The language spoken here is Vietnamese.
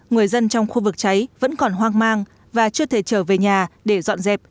người dân trong khu vực cháy vẫn còn hoang mang và chưa thể trở về nhà để dọn dẹp